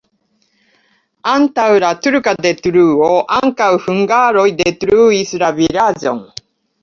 Antaŭ la turka detruo ankaŭ hungaroj detruis la vilaĝon.